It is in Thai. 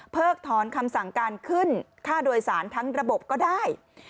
ถอนคำสั่งการขึ้นค่าโดยสารทั้งระบบก็ได้